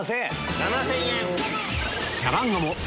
７０００円。